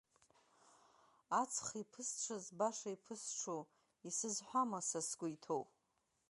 Аҵх иԥысҽыз баша иԥысҽу, исызҳәама са сгәы иҭоу?!